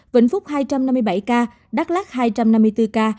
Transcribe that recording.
vĩnh phúc hai trăm năm mươi bảy ca đắk lắk hai trăm năm mươi bảy ca